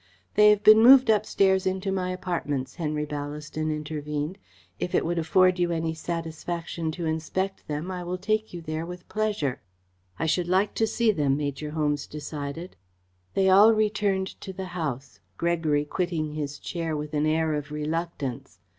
"They have been moved upstairs into my apartments," Henry Ballaston intervened. "If it would afford you any satisfaction to inspect them, I will take you there with pleasure." "I should like to see them," Major Holmes decided. They all returned to the house, Gregory quitting his chair with an air of reluctance.